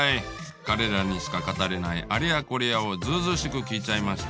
彼らにしか語れないあれやこれやをずうずうしく聞いちゃいました。